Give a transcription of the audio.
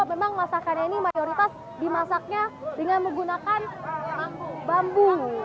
memang masakannya ini mayoritas dimasaknya dengan menggunakan bambu